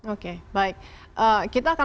oke baik kita akan